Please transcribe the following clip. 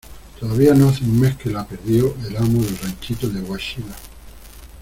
todavía no hace un mes que la perdió el amo del ranchito de Huaxila: